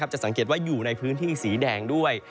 จะสังเกตว่าอยู่ในพื้นที่สีแดงด้วย